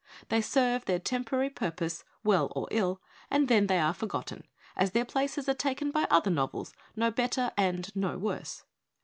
They serve their temporary purpose, well or ill; and then they are forgotten, as their places are taken by other novels, no better and no worse.